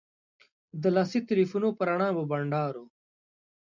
د لاسي تیلفونو په رڼا مو بنډار و.